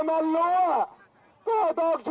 และไม่ถีบประชาชน